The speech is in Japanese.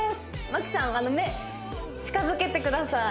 牧さん目近づけてください